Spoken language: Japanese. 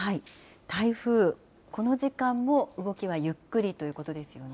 台風、この時間も動きはゆっくりということですよね。